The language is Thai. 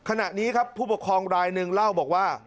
ขณะนี้ครับผู้ปกครองรายหนึ่งเล่าบอกว่า